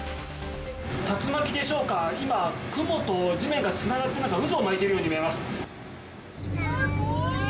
竜巻でしょうか、今、雲と地面がつながって渦を巻いているように見えます。